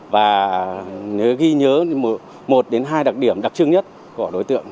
và nếu ghi nhớ một đến hai đặc điểm đặc trưng nhất của đối tượng